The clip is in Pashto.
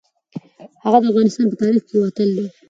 هغه د افغانستان په تاریخ کې یو اتل دی.